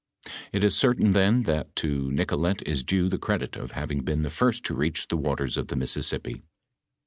It ia certain then, that to Nicolet ia due the credit of having been the firat to reach the watera of the Miaaiaaippi.